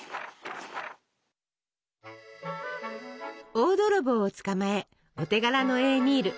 大泥棒を捕まえお手柄のエーミール。